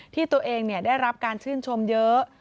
ที่ตัวเองได้รับการชื่นชมเยอะ